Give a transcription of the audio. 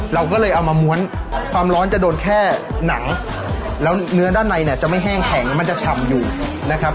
เราก็เลยเอามาม้วนความร้อนจะโดนแค่หนังแล้วเนื้อด้านในเนี่ยจะไม่แห้งแข็งมันจะฉ่ำอยู่นะครับ